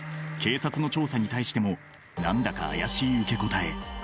警察の調査に対しても何だか怪しい受け答え。